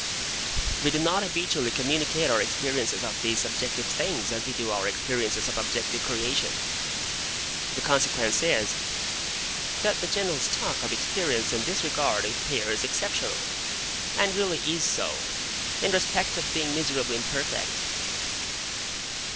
We do not habitually communicate our experiences of these subjective things as we do our experiences of objective creation. The consequence is, that the general stock of experience in this regard appears exceptional, and really is so, in respect of being miserably imperfect.